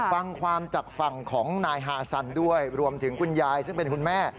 ฟังความจากฝั่งของนายฮาซันด้วยรวมถึงคุณยายซึ่งเป็นคุณแม่